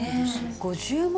５０万？